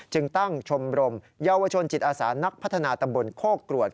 จึงตั้งชมรมเยาวชนจิตอาสานักพัฒนาตำบลโคกรวด